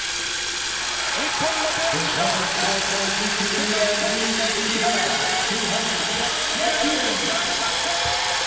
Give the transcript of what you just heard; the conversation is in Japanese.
日本のペア史上初世界選手権金メダルでグランドスラム達成！